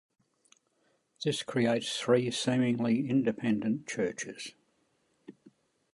This creates three seemingly independent churches.